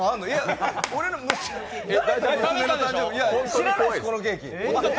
知らないです、このケーキ。